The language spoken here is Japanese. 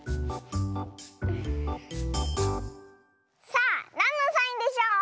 さあなんのサインでしょう？